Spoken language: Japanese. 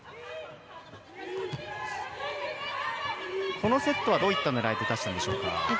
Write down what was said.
このセットはどういった狙いで出したんでしょうか。